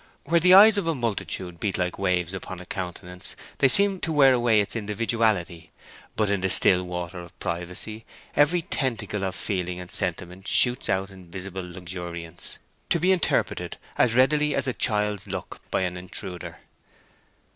Where the eyes of a multitude beat like waves upon a countenance they seem to wear away its individuality; but in the still water of privacy every tentacle of feeling and sentiment shoots out in visible luxuriance, to be interpreted as readily as a child's look by an intruder.